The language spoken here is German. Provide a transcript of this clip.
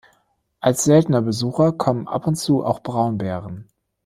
Als seltener Besucher kommen ab und zu auch Braunbären.